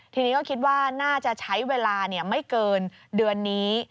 ทีนี้ก็คิดว่าน่าจะใช้เวลาไม่เกินเดือนนี้